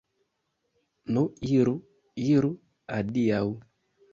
Nu iru, iru, adiaŭ!